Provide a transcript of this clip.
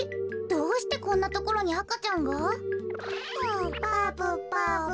どうしてこんなところにあかちゃんが？ばぶばぶ。